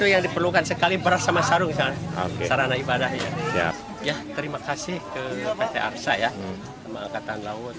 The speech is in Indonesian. ya terima kasih ke pt arsa ya sama angkatan laut